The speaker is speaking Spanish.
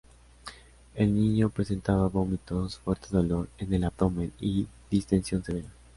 El niño presentaba vómitos, fuerte dolor en el abdomen y distensión severa.